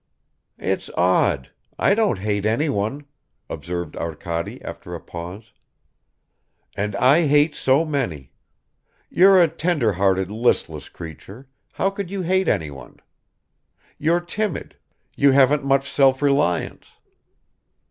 "It's odd! I don't hate anyone," observed Arkady after a pause. "And I hate so many. You're a tenderhearted listless creature; how could you hate anyone ...? You're timid, you haven't much self reliance."